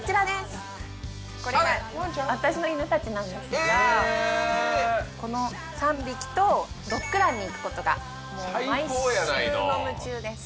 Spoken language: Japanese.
私の犬たちなんですがこの３匹とドッグランに行くことがもう毎週の夢中です